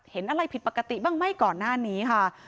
เห็นอะไรผิดปกติบ้างไหมก่อนหน้านี้ค่ะ